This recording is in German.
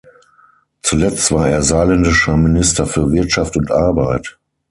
Zuletzt war er saarländischer Minister für Wirtschaft und Arbeit.